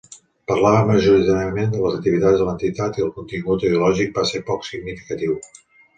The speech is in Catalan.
Parlava majoritàriament de les activitats de l'entitat i el contingut ideològic va ser poc significatiu.